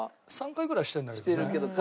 ３回ぐらいしてるんだけどね。